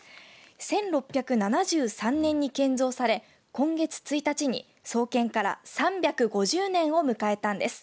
１６７３年に建造され今月１日に創建から３５０年を迎えたんです。